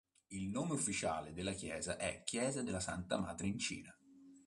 Il nome ufficiale della chiesa è "chiesa della Santa Madre in Cina".